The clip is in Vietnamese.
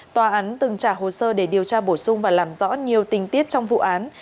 tòa án từng trả hồ sơ để điều tra bổ sung và làm rõ nhiều tình tiết trong vụ án